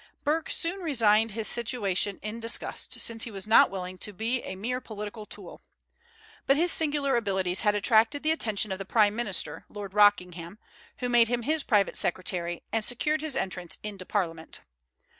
Burke soon resigned his situation in disgust, since he was not willing to be a mere political tool. But his singular abilities had attracted the attention of the prime minister, Lord Rockingham, who made him his private secretary, and secured his entrance into Parliament.